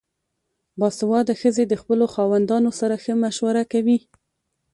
باسواده ښځې د خپلو خاوندانو سره ښه مشوره کوي.